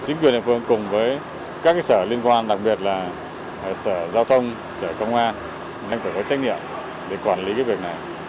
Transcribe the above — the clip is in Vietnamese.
chính quyền địa phương cùng với các sở liên quan đặc biệt là sở giao thông sở công an nên phải có trách nhiệm để quản lý việc này